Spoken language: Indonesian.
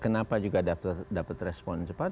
kenapa juga dapat respon cepat